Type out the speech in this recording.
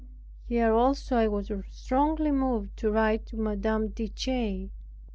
Here also I was strongly moved to write to Madame De Ch